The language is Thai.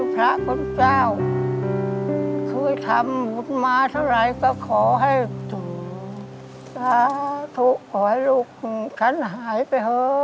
พระขูตเจ้า